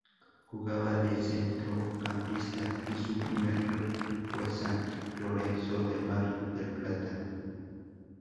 Jugaba de centrocampista y su primer club fue San Lorenzo de Mar del Plata.